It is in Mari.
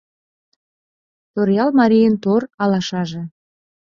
Торъял марийын тор алашаже